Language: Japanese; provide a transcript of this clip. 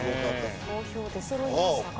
投票出そろいましたかね。